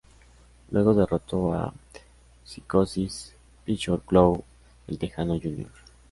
Luego derrotó a Psicosis, Psycho Clown, y El Texano Jr.